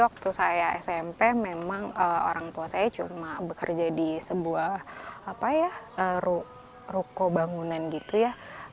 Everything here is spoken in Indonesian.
waktu saya smp memang orang tua saya cuma bekerja di sebuah ruko bangunan gitu ya